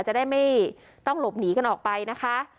จะได้ไม่ต้องหลบหนีกันออกไปนะคะ